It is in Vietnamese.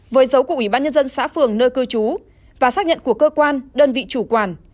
với dấu của ủy ban nhân dân xã phường nơi cư trú và xác nhận của cơ quan đơn vị chủ quản